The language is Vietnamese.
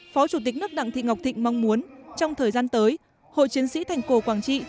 phó chủ tịch nước đặng thị ngọc thịnh mong muốn trong thời gian tới hội chiến sĩ thành cổ quảng trị